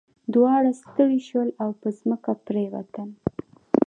دواړه ستړي شول او په ځمکه پریوتل.